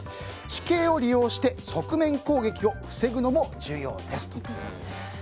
地形を利用して側面攻撃を防ぐのも重要ですと。